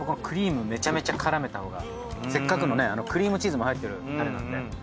クリームにめちゃめちゃ絡めたほうがせっかくのねクリームチーズも入ってる鍋なんで。